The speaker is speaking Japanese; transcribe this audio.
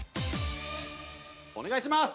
◆お願いします。